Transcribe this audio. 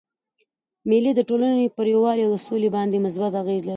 مېلې د ټولني پر یووالي او سولي باندي مثبت اغېز لري.